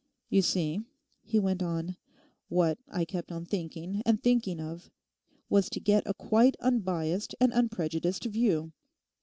'You see,' he went on, 'what I kept on thinking and thinking of was to get a quite unbiased and unprejudiced view.